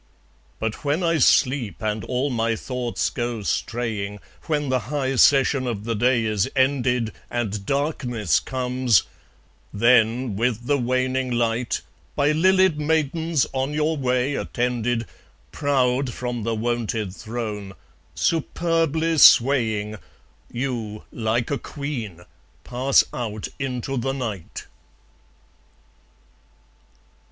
But when I sleep, and all my thoughts go straying, When the high session of the day is ended, And darkness comes; then, with the waning light, By lilied maidens on your way attended, Proud from the wonted throne, superbly swaying, You, like a queen, pass out into the night.